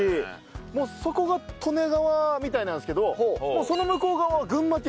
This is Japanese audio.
もうそこが利根川みたいなんですけどその向こう側は群馬県みたいです。